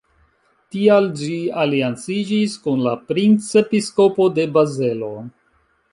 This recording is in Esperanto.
Tial ĝi alianciĝis kun la princepiskopo de Bazelo.